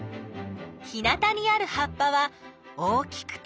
日なたにある葉っぱは大きくて長い。